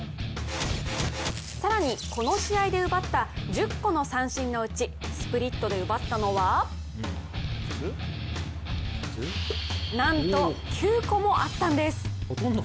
更にこの試合で奪った１０個の三振のうちスプリットで奪ったのは、なんと、９個もあったんです。